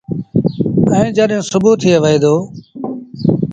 ائيٚݩ جڏهيݩ سُوڀو ٿئي دو